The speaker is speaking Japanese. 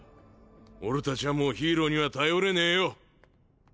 俺達はもうヒーローには頼れねぇよ。